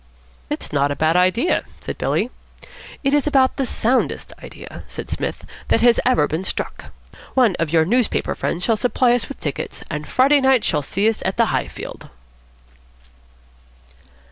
"It's not a bad idea," said Billy. "It is about the soundest idea," said Psmith, "that has ever been struck. One of your newspaper friends shall supply us with tickets, and Friday night shall see us at the Highfield."